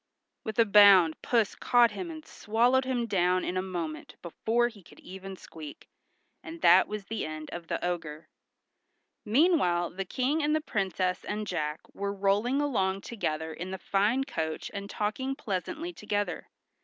with a bound Puss caught him and swallowed him down in a moment before he could even squeak, and that was the end of the ogre. Meanwhile the King and the Princess and Jack were rolling along together in the fine coach and talking pleasantly together.